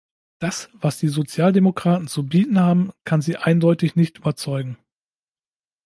Das, was die Sozialdemokraten zu bieten haben, kann sie eindeutig nicht überzeugen.